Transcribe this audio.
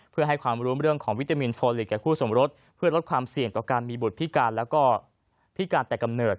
เพื่อให้ความรู้เรื่องของวิตามินโฟลิกกับคู่สมรสเพื่อลดความเสี่ยงต่อการมีบุตรพิการแล้วก็พิการแต่กำเนิด